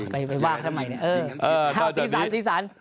ไปว่างทำไมเนี่ยข้าวตีสันตีสัน